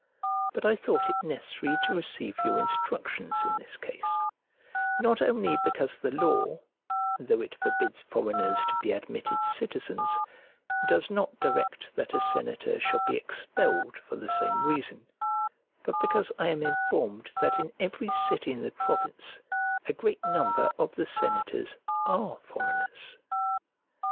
But I thought it necessary to receive your instructions in this case; not only because the law, though it forbids foreigners to be admitted citizens, does not direct that a senator shall be expelled for the same reason, but because I am informed that in every city in the province a great number of the senators are foreigners.